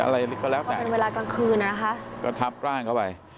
อะไรก็แล้วแต่เป็นเวลากลางคืนนะคะก็ทับร่างเข้าไป